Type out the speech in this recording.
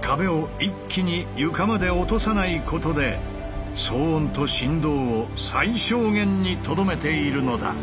壁を一気に床まで落とさないことで騒音と振動を最小限にとどめているのだ。